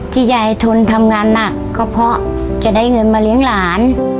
ยายทนทำงานหนักก็เพราะจะได้เงินมาเลี้ยงหลาน